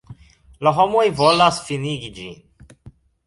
La homoj volas finigi ĝin.